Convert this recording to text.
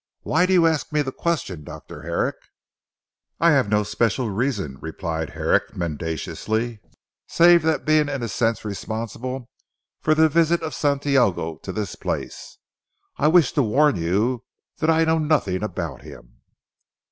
Why do you ask me the question Dr. Herrick?" "I have no special reason," replied Herrick mendaciously, "save that being in a sense responsible for the visit of Santiago to this place, I wish to warn you that I know nothing about him."